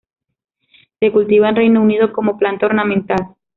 Se cultiva en Reino Unido como planta ornamental.